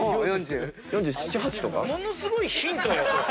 ものすごいヒントよそれ。